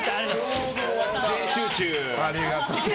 全集中！